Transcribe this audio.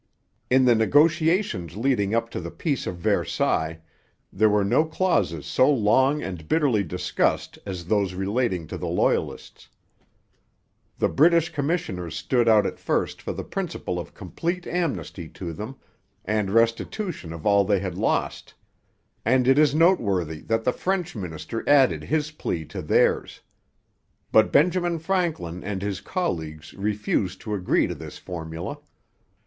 In the negotiations leading up to the Peace of Versailles there were no clauses so long and bitterly discussed as those relating to the Loyalists. The British commissioners stood out at first for the principle of complete amnesty to them and restitution of all they had lost; and it is noteworthy that the French minister added his plea to theirs. But Benjamin Franklin and his colleagues refused to agree to this formula.